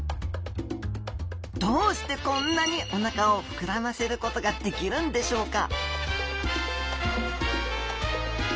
どうしてこんなにお腹を膨らませることができるんでしょうか？